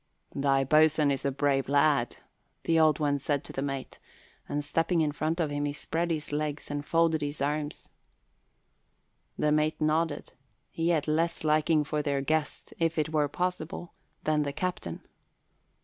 "Thy boatswain is a brave lad," the Old One said to the mate, and stepping in front of him, he spread his legs and folded his arms. The mate nodded. He had less liking for their guest, if it were possible, than the captain.